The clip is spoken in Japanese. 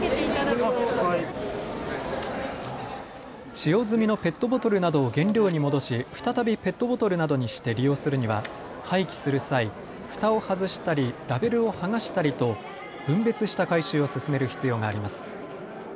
使用済みのペットボトルなどを原料に戻し、再びペットボトルなどにして利用するには廃棄する際、ふたを外したりラベルを剥がしたりと分別した回収を進める必要があります。